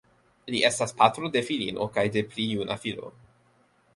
Li estas patro de filino kaj de pli juna filo.